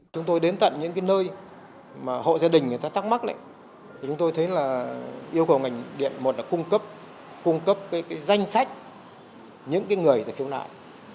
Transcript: chúng tôi đến tận những nơi mà hộ gia đình người ta thắc mắc thì chúng tôi thấy là yêu cầu ngành điện một là cung cấp cung cấp danh sách những người khiếu nại